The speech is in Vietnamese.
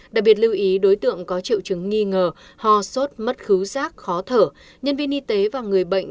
đặc biệt lưu ý đối tượng có triệu chứng nghi ngờ ho sốt mất cứu giác khó thở nhân viên y tế và người bệnh